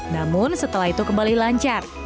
namun setelah itu kembali lancar